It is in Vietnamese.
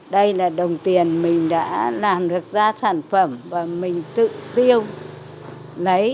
đây là đồng tiền mình đã làm được ra sản phẩm và mình tự tiêu lấy